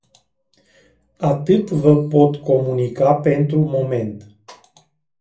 Atât vă pot comunica pentru moment.